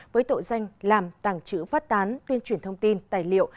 với tội danh làm tàng trữ phát tán tuyên truyền thông tin tài liệu